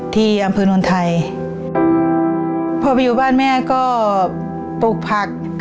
พอไปอยู่บ้านแม่ก็ปลูกผัก